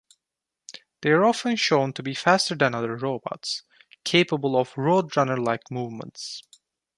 They are often shown to be faster than other robots, capable of roadrunner-like movements.